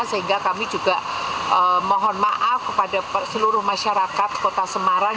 sehingga kami juga mohon maaf kepada seluruh masyarakat kota semarang